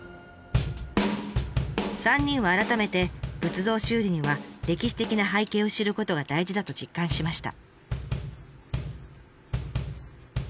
３人は改めて仏像修理には歴史的な背景を知ることが大事だと実感しました。